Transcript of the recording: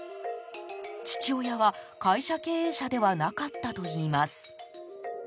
父親は、会社経営者ではなかったといいます。